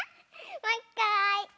もういっかい！